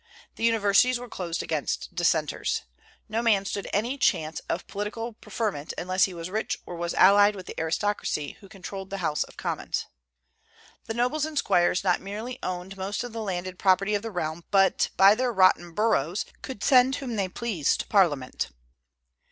The universities were closed against Dissenters. No man stood any chance of political preferment unless he was rich or was allied with the aristocracy, who controlled the House of Commons. The nobles and squires not merely owned most of the landed property of the realm, but by their "rotten boroughs" could send whom they pleased to Parliament.